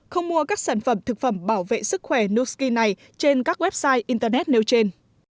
không mua các sản phẩm thực phẩm bảo vệ sức khỏe nuskin này trên các website internet nêu trên